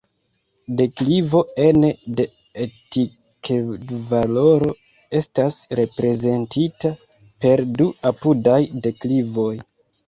Deklivo ene de etikedvaloro estas reprezentita per du apudaj deklivoj.